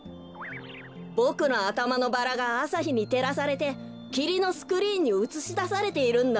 ボクのあたまのバラがあさひにてらされてきりのスクリーンにうつしだされているんだ。